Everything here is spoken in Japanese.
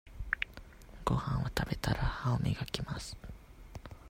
ごはんを食べたら、歯を磨きます。